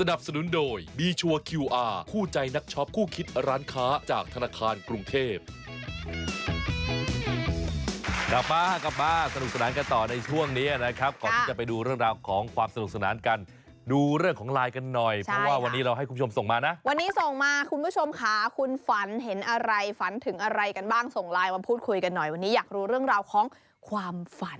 สนับสนุนโดยบีชัวร์คิวอาร์คู่ใจนักช็อปคู่คิดร้านค้าจากธนาคารกรุงเทพธนาคารกรุงเทพธนาคารกรุงเทพธนาคารกรุงเทพธนาคารกรุงเทพธนาคารกรุงเทพธนาคารกรุงเทพธนาคารกรุงเทพธนาคารกรุงเทพธนาคารกรุงเทพธนาคารกรุงเทพธนาคารกรุงเทพธนาคารกรุงเทพธนา